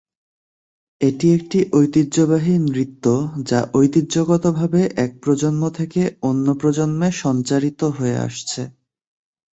এটি একটি ঐতিহ্যবাহী নৃত্য যা ঐতিহ্যগতভাবে এক প্রজন্ম থেকে অন্য প্রজন্মে সঞ্চারিত হয়ে আসছে।